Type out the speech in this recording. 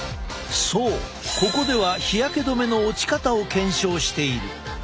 そうここでは日焼け止めの落ち方を検証している。